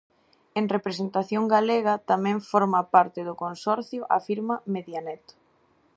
En representación galega, tamén forma parte do consorcio a firma MediaNet.